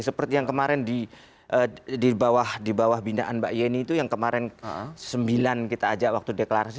seperti yang kemarin di bawah bindaan mbak yeni itu yang kemarin sembilan kita ajak waktu deklarasi